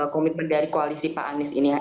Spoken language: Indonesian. commitment dari koalisi pak anis ini